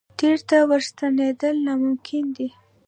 تېر ته ورستنېدل ناممکن دي.